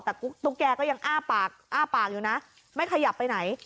แต่ตุ๊กแกก็ยังอ้าปากอ้าปากอยู่นะไม่ขยับไปไหน